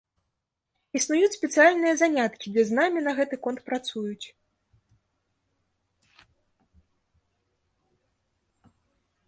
Існуюць спецыяльныя заняткі, дзе з намі на гэты конт працуюць.